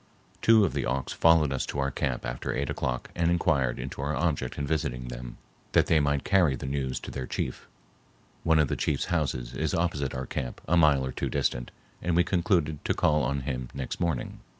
Two of the Auks followed us to our camp after eight o'clock and inquired into our object in visiting them, that they might carry the news to their chief. One of the chief's houses is opposite our camp a mile or two distant, and we concluded to call on him next morning.